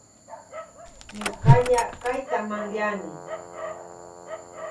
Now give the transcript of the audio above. Ñukalla kayta manllani.